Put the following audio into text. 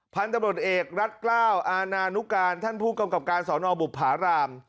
พันธุ์ตำรวจเอกรัฐกล้าวอาณานุการท่านผู้กำกับการสอนอบุภาราม